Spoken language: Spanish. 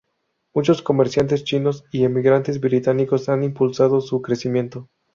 Muchos comerciantes chinos y emigrantes británicos han impulsado su crecimiento.